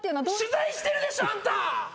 取材してるでしょあんた。